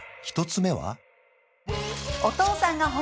１つ目は？